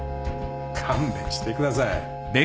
勘弁してください。